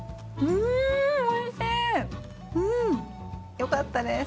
うん！よかったです。